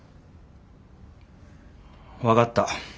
分かった。